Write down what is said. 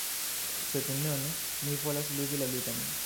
Sed nun mi volas ludi la ludon.